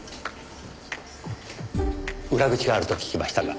裏口があると聞きましたが。